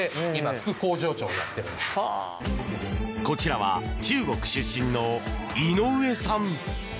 こちらは中国出身の井上さん。